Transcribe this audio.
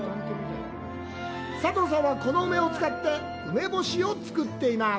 佐藤さんは、この梅を使って梅干しを作っています。